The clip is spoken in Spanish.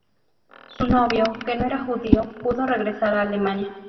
Su novio, que no era judío, pudo regresar a Alemania.